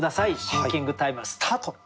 シンキングタイムスタート！